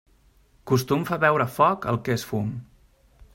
Costum fa veure foc el que és fum.